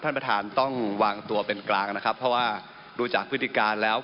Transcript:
ท่านประธานต้องวางตัวเป็นกลางนะครับเพราะว่าดูจากพฤติการแล้ว